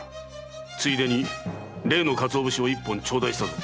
ついでに例の鰹節を一本ちょうだいしたぞ。